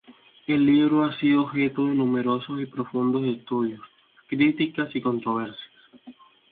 El libro ha sido objeto de numerosos y profundos estudios, críticas y controversias.